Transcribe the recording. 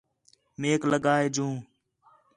میک لڳا ہے جوں